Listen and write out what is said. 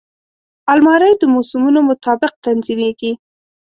الماري د موسمونو مطابق تنظیمېږي